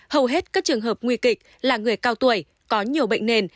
hầu hết các trường hợp nguy kịch là người cao tuổi có nhiều bệnh nền